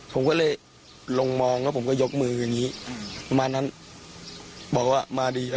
ผมก็เลยลงมองก็ยกมืออย่างงี้